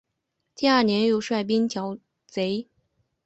第二年又率兵剿贼。